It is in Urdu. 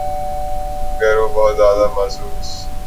گر وہ بہت زیادہ مایوس